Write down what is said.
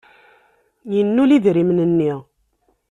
Yennul idrimen-nni.